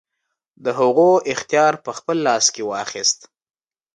د هغو اختیار په خپل لاس کې واخیست.